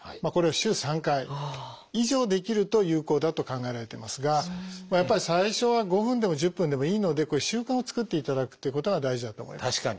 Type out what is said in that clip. これを週３回以上できると有効だと考えられてますがやっぱり最初は５分でも１０分でもいいので習慣を作っていただくということが大事だと思います。